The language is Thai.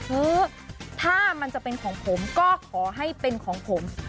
เออถ้ามันจะเป็นของผมก็ขอให้เป็นของผม